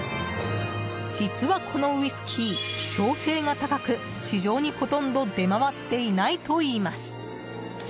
実はこのウイスキー希少性が高く市場にほとんど出回っていないといいます。